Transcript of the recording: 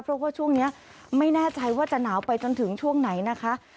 เพราะว่าช่วงนี้ไม่แน่ใจว่าจะหนาวไปจนถึงช่วงไหนนะคะ